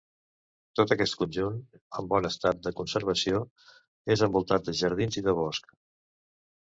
Tot aquest conjunt, en bon estat de conservació, és envoltat de jardins i de bosc.